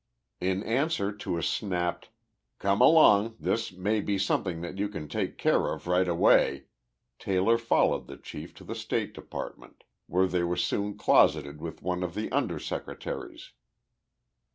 In answer to a snapped, "Come along this may be something that you can take care of right away!" Taylor followed the chief to the State Department, where they were soon closeted with one of the under secretaries.